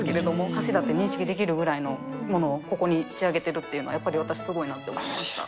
橋だって認識できるぐらいのものをここに仕上げているっていうのは、やっぱり私すごいなと思いました。